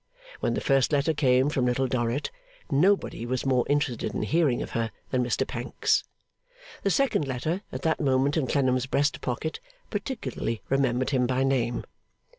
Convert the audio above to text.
When the first letter came from little Dorrit, nobody was more interested in hearing of her than Mr Pancks. The second letter, at that moment in Clennam's breast pocket, particularly remembered him by name.